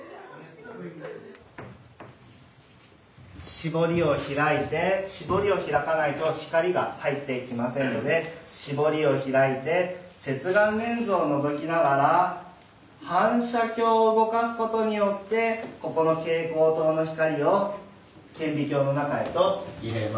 絞りを開いて絞りを開かないと光が入っていきませんので絞りを開いて接眼レンズをのぞきながら反射鏡を動かす事によってここの蛍光灯の光を顕微鏡の中へと入れます。